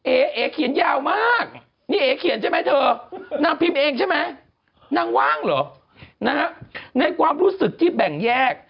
เอ๋เอเขียนยาวมากนี่เอ๋เขียนใช่ไหมเธอนางพิมพ์เองใช่ไหมนางว่างเหรอนะฮะในความรู้สึกที่แบ่งแยก